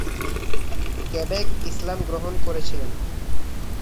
Quebec ইসলাম গ্রহণ করেছিলেন।